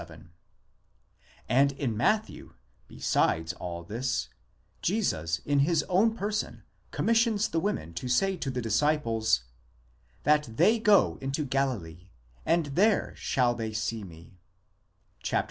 7); and in Matthew, besides all this, Jesus in his own person commissions the women to say to the disciples: that they go into Galilee, and there shall they see me (xxviii.